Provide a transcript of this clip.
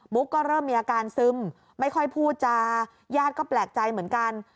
ุ๊กก็เริ่มมีอาการซึมไม่ค่อยพูดจาญาติก็แปลกใจเหมือนกัน